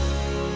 semoga sukses ya